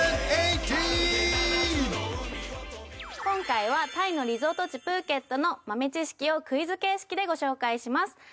今回はタイのリゾート地プーケットの豆知識をクイズ形式でご紹介します